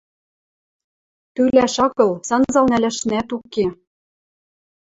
Тӱлӓш агыл, санзал нӓлӓшнӓӓт уке.